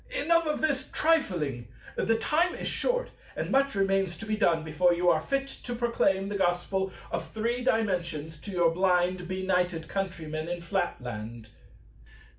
Enough of this trifling! The time is short, and much remains to be done before you are fit to proclaim the Gospel of Three Dimensions to your blind benighted countrymen in Flatland.